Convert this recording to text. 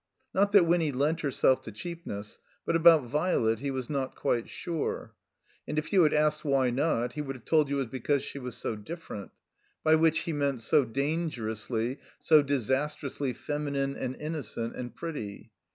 Not that Winny lent herself to cheapness, but about Violet he was not quite sure. And if you had asked why not, he would have told you it was be cause she was so different. By whidi he meant so dangerously, so disastrously feminine and innocent and pretty.